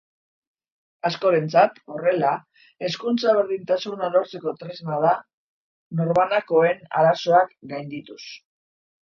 Askorentzat, horrela, hezkuntza berdintasuna lortzeko tresna da, norbanakoen arazoak gaindituz.